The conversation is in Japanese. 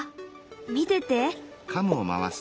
見てて。